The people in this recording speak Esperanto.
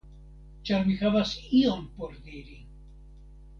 Ĉar mi havas ion por diri.